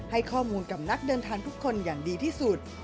ให้ข้อมูลกับนักเดินทางทุกคนอย่างดีที่สุด